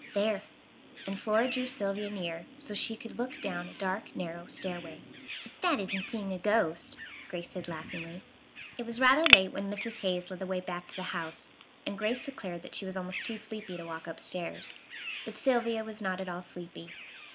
"There," and Flora drew Sylvia near so she could look down a dark narrow stairway. "But that isn't seeing a ghost," Grace said laughingly. It was rather late when Mrs. Hayes led the way back to the house, and Grace declared that she was almost too sleepy to walk up stairs. But Sylvia was not at all sleepy.